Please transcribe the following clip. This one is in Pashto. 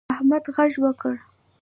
احمد غږ وکړ.